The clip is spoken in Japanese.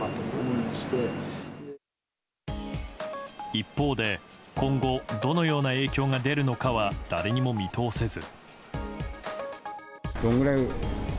一方で今後どのような影響が出るのかは誰にも見通せず。